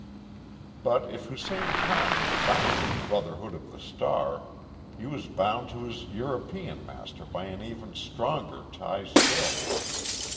But if Hussein Khan was bound to the Brotherhood of the Star, he was bound to his European master by an even stronger tie still.